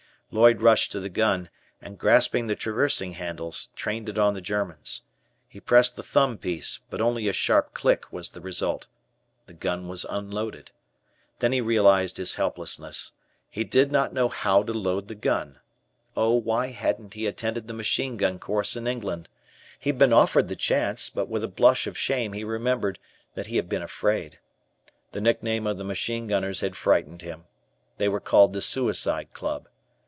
Lloyd rushed to the gun, and grasping the traversing handles, trained it, on the Germans. He pressed the thumb piece, but only a sharp click was the result. The gun was unloaded. Then he realized his helplessness. He did not know how to load the gun. Oh, why hadn't he attended the machine gun course in England? He'd been offered the chance, but with a blush of shame he remembered that he had been afraid. The nickname of the machine gunners had frightened him. They were called the "Suicide Club."